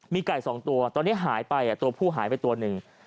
มีไก่๒ตัวตอนนี้หายไปตัวผู้หายไปตัวหนึ่ง